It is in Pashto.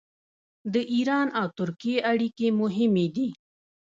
د ایران او ترکیې اړیکې مهمې دي.